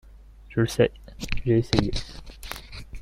Je le sais, j’ai essayé.